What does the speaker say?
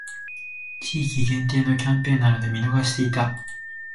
地域限定のキャンペーンなので見逃していた